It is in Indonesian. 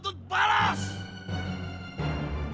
aku akan membakar rumahmu